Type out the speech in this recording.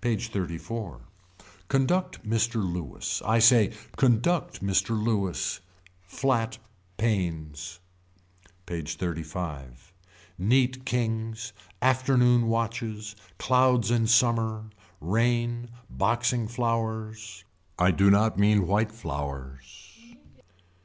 PAGE XXXIV. Conduct Mr. Louis. I say conduct Mr. Louis. Flat pains. PAGE XXXV. Neat kings. Afternoon watches. Clouds in summer. Rain. Boxing flowers. I do not mean white flowers.